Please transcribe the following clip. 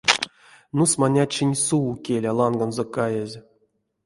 Нусманячинь сув, келя, ланганзо каязь.